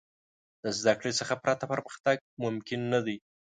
د زدهکړې څخه پرته، پرمختګ ممکن نه دی.